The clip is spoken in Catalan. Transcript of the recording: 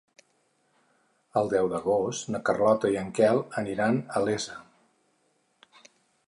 El deu d'agost na Carlota i en Quel aniran a la Iessa.